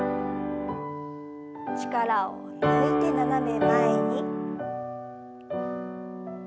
力を抜いて斜め前に。